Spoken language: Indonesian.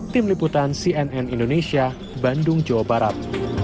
tim liputan cnn indonesia bandung jawa barat